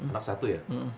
anak satu ya